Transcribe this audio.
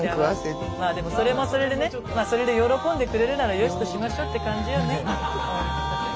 まあでもそれもそれでねそれで喜んでくれるならよしとしましょうって感じよね。